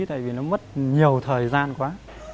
tại vì nó mất nhiều thời gian quá